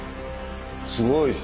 すごい。